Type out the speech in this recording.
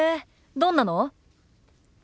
どんなの？